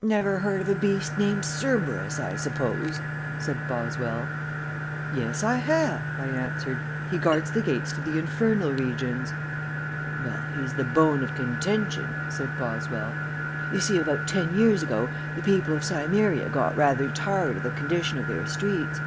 "Never heard of a beast named Cerberus, I suppose?" said Boswell. "Yes, I have," I answered. "He guards the gates to the infernal regions." "Well he's the bone of contention," said Boswell. "You see, about ten years ago the people of Cimmeria got rather tired of the condition of their streets.